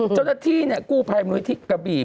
จริงที่กู้ภายบริเวณทิศกระบี